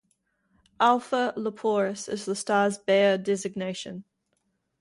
"Alpha Leporis" is the star's Bayer designation.